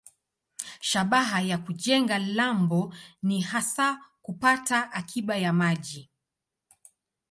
Shabaha ya kujenga lambo ni hasa kupata akiba ya maji.